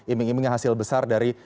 iming imingnya hasil besar dari